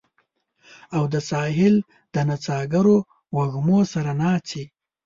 او د ساحل د نڅاګرو وږمو سره ناڅي